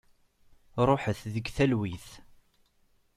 Ruḥet deg talwit.